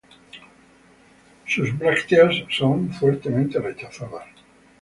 Sus brácteas son fuertemente rechazadas.